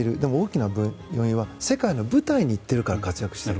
大きな要因は世界の舞台に行っているから活躍している。